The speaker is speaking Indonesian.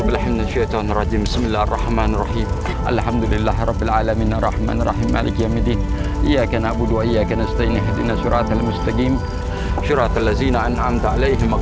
gasen apinya masih ada